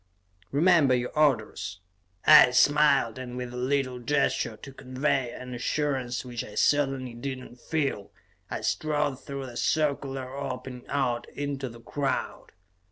"Remember your orders," I smiled, and with a little gesture to convey an assurance which I certainly did not feel, I strode through the circular opening out into the crowd.